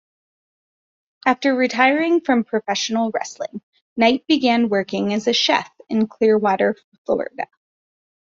After retiring from professional wrestling, Knight began working as a chef in Clearwater, Florida.